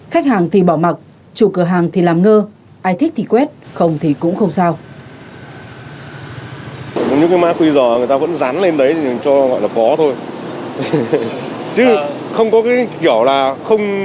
khách hàng thì bỏ mặc chủ cửa hàng thì làm ngơ ai thích thì quét không thì cũng không sao